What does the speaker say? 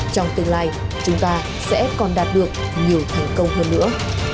trong tương lai chúng ta sẽ còn đạt được nhiều thành công hơn nữa